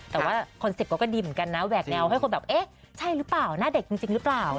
แต่ว่าคอนเซ็ปต์เขาก็ดีเหมือนกันนะแหวกแนวให้คนแบบเอ๊ะใช่หรือเปล่าหน้าเด็กจริงหรือเปล่า